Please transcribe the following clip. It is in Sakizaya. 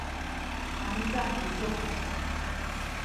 mahica kisu?